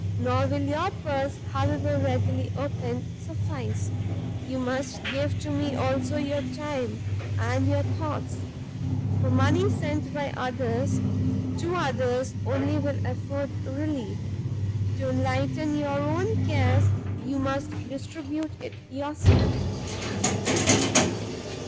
Nor will your purse, however readily opened, suffice, you must give to me also your time and your thoughts; for money sent by others, to others only will afford relief; to enlighten your own cares, you must distribute it yourself."